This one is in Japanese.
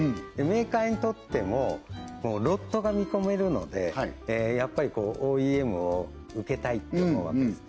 メーカーにとってもロットが見込めるのでやっぱりＯＥＭをうけたいって思うわけです